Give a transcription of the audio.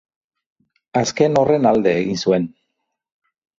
Azken horren alde egin zuen.